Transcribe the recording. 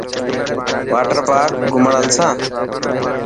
واٽر پارڪ گهمڻ هلسان.